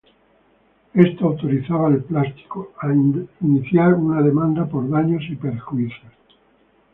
Esto autorizaba al plástico a iniciar una demanda por daños y perjuicios.